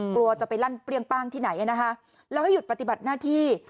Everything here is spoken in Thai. กลัวจะไปลั่นเปรี้ยงป้างที่ไหนนะคะแล้วให้หยุดปฏิบัติหน้าที่